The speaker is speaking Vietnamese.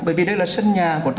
bởi vì đây là sân nhà của tôi